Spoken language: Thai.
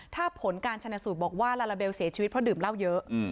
ถ้าผลการชนะสูตรบอกว่าลาลาเบลเสียชีวิตเพราะดื่มเหล้าเยอะ